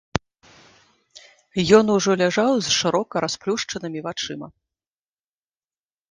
Ён ужо ляжаў з шырока расплюшчанымі вачыма.